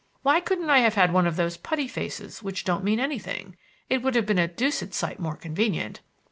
Why couldn't I have had one of those putty faces which don't mean anything? It would have been a deuced sight more convenient."